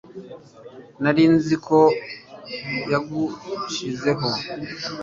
nari nzi ko yagushizeho